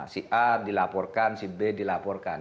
si a dilaporkan si b dilaporkan